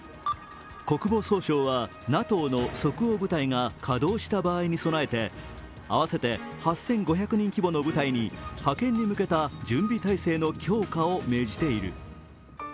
国防総省はＮＡＴＯの即応部隊が稼働した場合に備えて、合わせて８５００人規模の部隊に派遣に向けた準備態勢の強化を命じている。